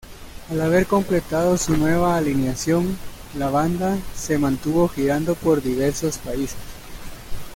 Al haber completado su nueva alineación, la banda se mantuvo girando por diversos países.